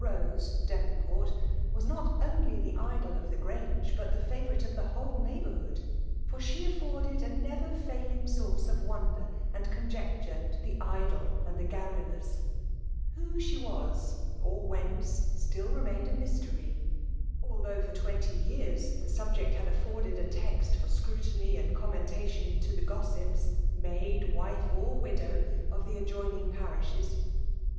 Rose Devonport, was not only the idol of the Grange, but the favourite of the whole neighbourhood ; for she afforded a never fail ing source of wonder and conjecture to the idle and the garrulous. h2 148 FKAIALR DOMIKATION. . Who she was, or whence, still remained a mystery ; although for twenty years the sub ject had afforded a text for scrutiny and com tnentation to the gossips, maid, wife, or widow, of the adjoining parishes.